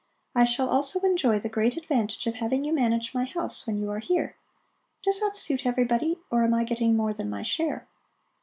I shall also enjoy the great advantage of having you manage my house when you are here. Does that suit everybody, or am I getting more than my share?"